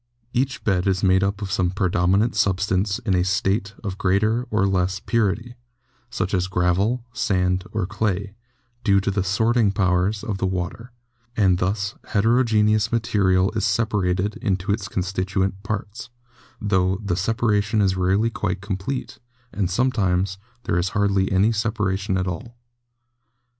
Each bed is made up of some predominant substance in a state of greater or less purity, such as gravel, sand or clay, due to the sorting powers of the water, and thus heterogeneous material is separated into its constituent parts, tho the separation is rarely quite complete, and sometimes there is hardly any sepa ration at all.